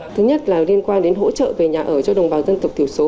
thứ nhất là liên quan đến hỗ trợ về nhà ở cho đồng bào dân tộc thiểu số